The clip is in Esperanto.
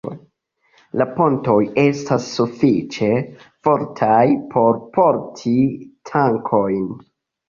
La pontoj estis sufiĉe fortaj por porti tankojn.